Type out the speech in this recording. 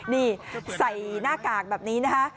นี่ใส่หน้ากากแบบนี้นะคะ